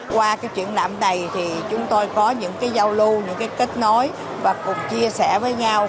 qua cái triển lãm này thì chúng tôi có những cái giao lưu những cái kết nối và cùng chia sẻ với nhau